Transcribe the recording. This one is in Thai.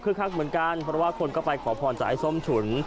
คือคักเหมือนกันเพราะว่าคนก็ไปขอพรจากไอ้ส้มฉุน